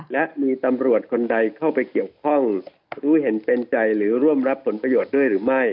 และมีตำรวจคนใดเข้าไปเกี่ยวข้องรู้เห็นเป็นใจหรือร่วมรับผลประโยชน์ด้วยหรือไม่